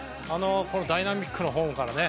ダイナミックなフォームからね。